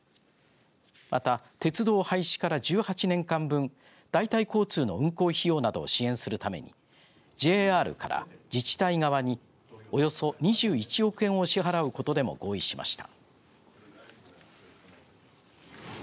また、鉄道廃止から１８年間分代替交通の運行費用などを支援するためにＪＲから自治体側におよそ２１億円を支払うことでも合意しました。